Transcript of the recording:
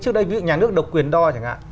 trước đây nhà nước độc quyền đo chẳng hạn